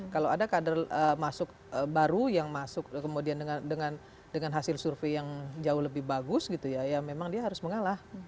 kalau ada kader masuk baru yang masuk kemudian dengan hasil survei yang jauh lebih bagus gitu ya ya memang dia harus mengalah